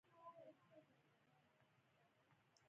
د افغانستان ګټو ساتلو اداره یا اګسا